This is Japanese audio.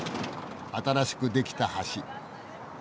新しく出来た橋。